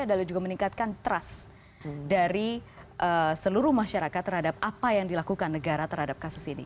adalah juga meningkatkan trust dari seluruh masyarakat terhadap apa yang dilakukan negara terhadap kasus ini